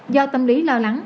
do tâm lý lo lắng